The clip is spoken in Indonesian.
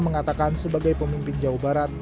mengatakan sebagai pemimpin jawa barat